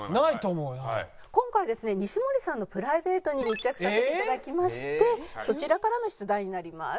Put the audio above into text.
今回ですね西森さんのプライベートに密着させて頂きましてそちらからの出題になります。